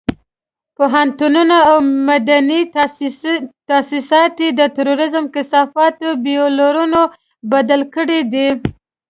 پوهنتونونه او مدني تاسيسات یې د تروريزم کثافاتو بيولرونو بدل کړي دي.